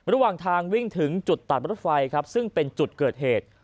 ระหว่างทางวิ่งถึงจุดตัดรถไฟครับซึ่งเป็นจุดเกิดเหตุ